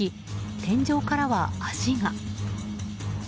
天井からは、足が。